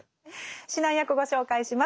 指南役ご紹介します。